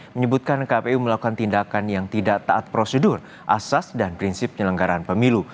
menyebutkan kpu melakukan tindakan yang tidak taat prosedur asas dan prinsip penyelenggaran pemilu